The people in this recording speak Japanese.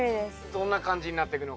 どんな感じになってくのかね。